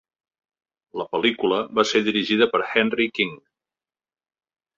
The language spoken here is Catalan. La pel·lícula va ser dirigida per Henry King.